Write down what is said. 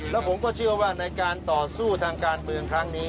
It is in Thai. แล้วผมก็เชื่อว่าในการต่อสู้ทางการเมืองครั้งนี้